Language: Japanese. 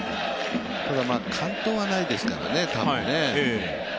ただ完投はないですからね球数でね。